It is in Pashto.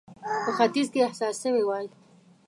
په ختیځ کې احساس سوې وای.